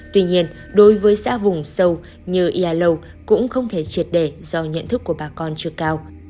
tuy nhiên đối với xã vùng sâu như ia lâu cũng không thể triệt đề do nhận thức của bà con chưa cao